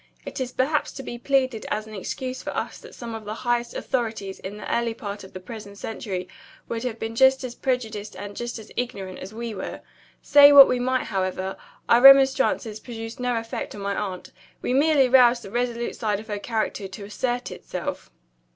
It is perhaps to be pleaded as an excuse for us that some of the highest authorities, in the early part of the present century, would have been just as prejudiced and just as ignorant as we were. Say what we might, however, our remonstrances produced no effect on my aunt. We merely roused the resolute side of her character to assert itself.